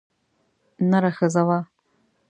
نره ښځه وه.